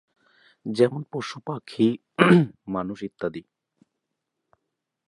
যেমন পশু, পাখি, মানুষ ইত্যাদি।